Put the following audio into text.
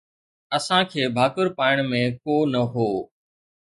اسان کي ڀاڪر پائڻ ۾ ڪو نه هو